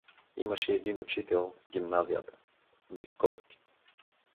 Имаше един учител в гимназията — Висковски.